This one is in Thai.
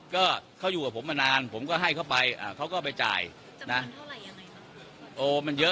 ก็เขาอยู่กับผมมานานผมก็ให้เขาไปเขาก็ไปจ่ายนะเท่าไหร่ยังไงคะ